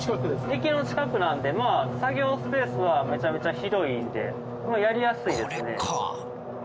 駅の近くなんでまあ作業スペースはめちゃめちゃ広いんでやりやすいですね。